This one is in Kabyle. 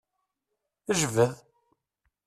Jbed!